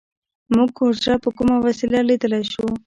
موږ حجره په کومه وسیله لیدلی شو